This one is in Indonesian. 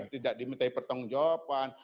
tidak diminta pertanggung jawaban